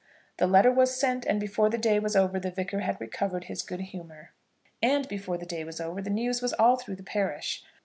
The letter was sent, and before the day was over the Vicar had recovered his good humour. And before the day was over the news was all through the parish.